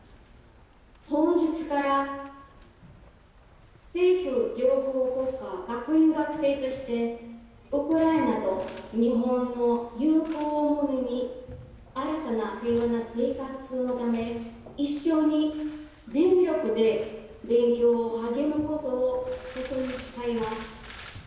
本日から清風情報工科学院の学生として、ウクライナと日本の友好を胸に、新たな平和の生活のため、一緒に全力で勉強に励むことをここに誓います。